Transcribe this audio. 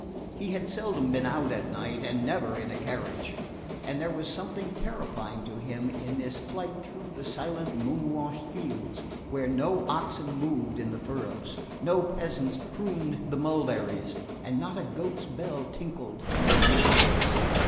He had seldom been out at night, and never in a carriage; and there was something terrifying to him in this flight through the silent moon washed fields, where no oxen moved in the furrows, no peasants pruned the mulberries, and not a goat's bell tinkled among the oaks.